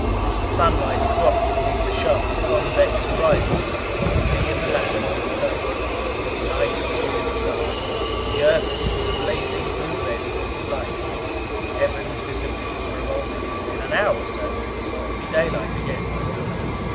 The sunlight dropped beneath the sharply convex horizon; the sea and the land went purple. A night of brilliant stars; the Earth was a blazing blue red point of light. The heavens visibly were revolving; in an hour or so it would be daylight again.